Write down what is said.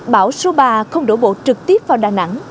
bão số ba không đổ bộ trực tiếp vào đà nẵng